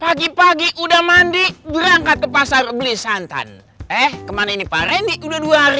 pagi pagi udah mandi berangkat ke pasar beli santan eh kemana ini pak reni udah dua hari